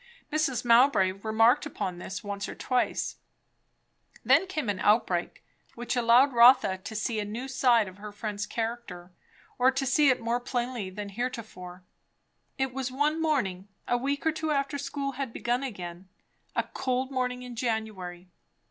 Mrs. Mowbray remarked upon this once or twice. Then came an outbreak; which allowed Rotha to see a new side of her friend's character, or to see it more plainly than heretofore. It was one morning a week or two after school had begun again; a cold morning in January.